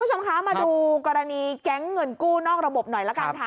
คุณผู้ชมคะมาดูกรณีแก๊งเงินกู้นอกระบบหน่อยละกันค่ะ